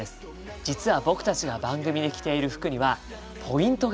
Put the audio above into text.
実は僕たちが番組で着ている服にはポイントがあるんです。